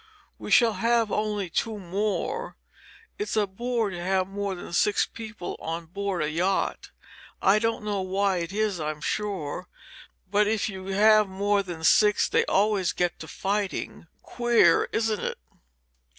We shall have only two more. It's a bore to have more than six people on board a yacht. I don't know why it is, I'm sure, but if you have more than six they always get to fighting. Queer, isn't it?"